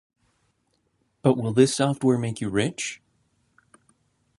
But will this software make you rich?